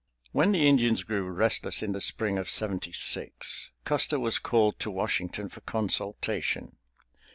When the Indians grew restless in the Spring of Seventy six, Custer was called to Washington for consultation.